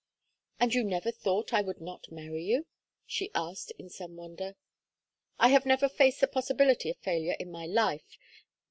"And you never thought I would not marry you?" she asked, in some wonder. "I have never faced the possibility of failure in my life.